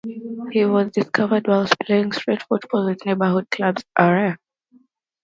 He was discovered whilst playing street football with neighbourhood club "Aref".